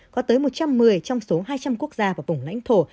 có tới một trăm một mươi trong số hai trăm linh quốc gia và vùng lãnh thổ